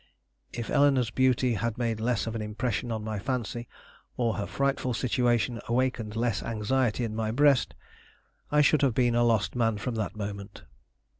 If Eleanore's beauty had made less of an impression on my fancy, or her frightful situation awakened less anxiety in my breast, I should have been a lost man from that moment.